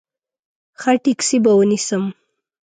ښه ټیکسي به ونیسم.